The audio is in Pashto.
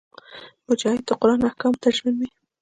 مجاهد د قران احکامو ته ژمن وي.